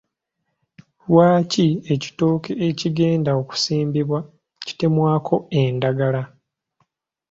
Lwaki ekitooke ekigenda okusimbibwa kitemwako endagala?